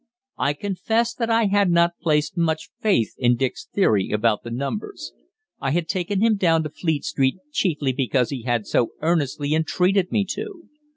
I confess that I had not placed much faith in Dick's theory about the numbers. I had taken him down to Fleet Street chiefly because he had so earnestly entreated me to.